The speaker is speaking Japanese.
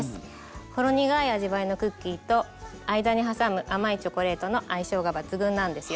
ほろ苦い味わいのクッキーと間に挟む甘いチョコレートの相性が抜群なんですよ。